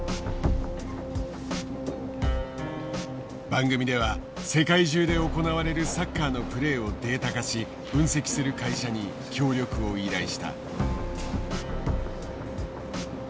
番組では世界中で行われるサッカーのプレーをデータ化し分析する会社に協力を依頼した。